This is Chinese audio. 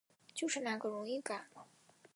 就是那个荣誉感